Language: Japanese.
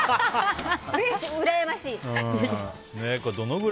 うらやましい。